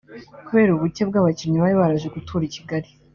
Kubera ubuke bw’ abakinnyi bari baraje gutura i Kigali